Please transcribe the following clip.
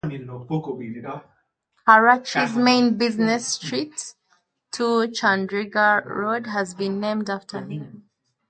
Karachi's main business street, I I Chundrigar Road, has been named after him.